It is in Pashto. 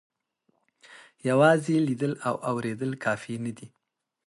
یوازې لیدل او اورېدل کافي نه دي.